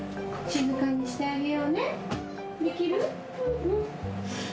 静かにしてあげようね。